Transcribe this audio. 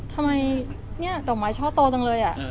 ทำไมเนี่ยดอกไม้ช่อโตจังเลย